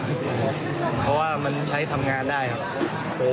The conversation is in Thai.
เพราะว่ามันใช้ทำงานได้ครับ